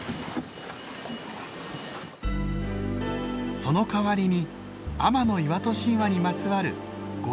そのかわりに天岩戸神話にまつわる御利益